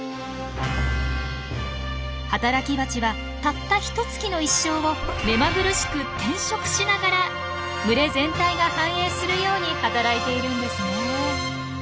働きバチはたったひと月の一生を目まぐるしく転職しながら群れ全体が繁栄するように働いているんですね。